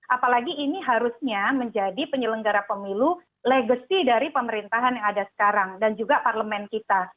apalagi ini harusnya menjadi penyelenggara pemilu legacy dari pemerintahan yang ada sekarang dan juga parlemen kita